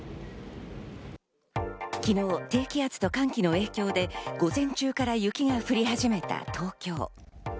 昨日、低気圧と寒気の影響で午前中から雪が降り始めた東京。